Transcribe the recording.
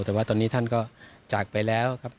แต่ว่าตอนนี้ท่านก็จากไปแล้วครับ